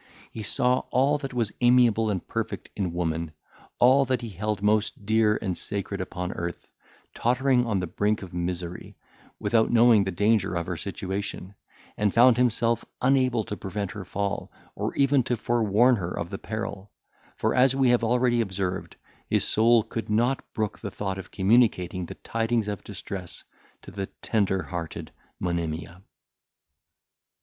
He saw all that was amiable and perfect in woman, all that he held most dear and sacred upon earth, tottering on the brink of misery, without knowing the danger of her situation, and found himself unable to prevent her fall, or even to forewarn her of the peril; for as we have already observed, his soul could not brook the thought of communicating the tidings of distress to the tender hearted Monimia.